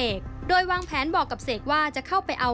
ตัดสินใจเดินทางไปที่บ้านของเสกโดยวางแผนบอกกับเสกว่าจะเข้าไปเอา